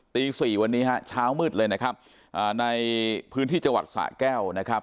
ตีสี่วันนี้ฮะเช้ามืดเลยนะครับอ่าในพื้นที่จังหวัดสะแก้วนะครับ